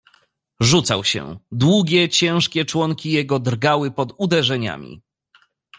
"Rzucał się: długie, ciężkie członki jego drgały pod uderzeniami."